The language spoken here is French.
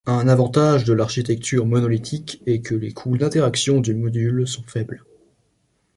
Un avantage de l'architecture monolithique est que les coûts d'interaction du module sont faibles.